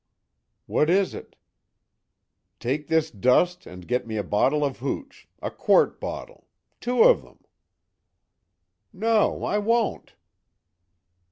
"What is it?" "Take this dust and get me a bottle of hooch a quart bottle two of them." "No, I won't!"